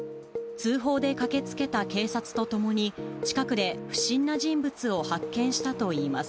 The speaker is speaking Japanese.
通報で駆けつけた警察と共に、近くで不審な人物を発見したといいます。